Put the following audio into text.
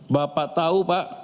bapak tahu pak